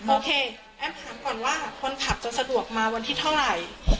โอเคแอฟถามก่อนว่าคนขับจะสะดวกมาวันที่เท่าไหร่